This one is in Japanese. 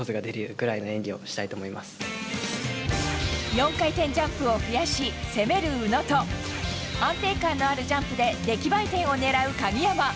４回転ジャンプを増やし攻める宇野と安定感のあるジャンプで出来栄え点を狙う鍵山。